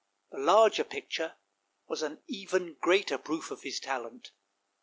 The larger picture was an even greater proof of his talent.